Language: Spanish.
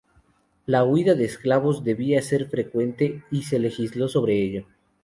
La huida de esclavos debía ser frecuente, y se legisló sobre ello.